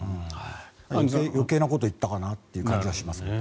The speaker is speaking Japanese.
余計なことを言ったかなという感じがしますね。